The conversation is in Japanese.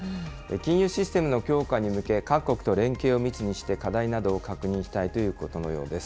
金融システムの強化に向け、各国と連携を密にして課題などを確認したいということのようです。